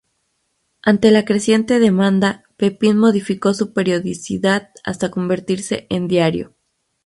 Ante la creciente demanda, "Pepín" modificó su periodicidad hasta convertirse en diario.